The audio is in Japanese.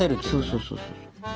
そうそうそう。